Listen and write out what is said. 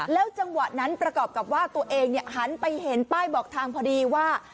จังหวะนั้นประกอบกับว่าตัวเองหันไปเห็นป้ายบอกทางพอดีว่า